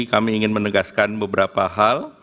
kami ingin menegaskan beberapa hal